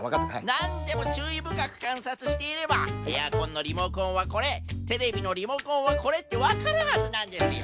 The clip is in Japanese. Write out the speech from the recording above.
なんでもちゅういぶかくかんさつしていればエアコンのリモコンはこれテレビのリモコンはこれってわかるはずなんですよ。